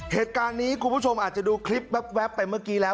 เหตุการณ์นี้คุณผู้ชมอาจจะดูคลิปแว๊บไปเมื่อกี้แล้ว